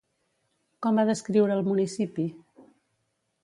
Com va descriure el municipi?